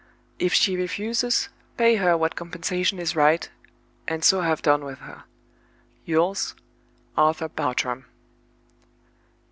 If she refuses, pay her what compensation is right, and so have done with her. "Yours, "ARTHUR BARTRAM."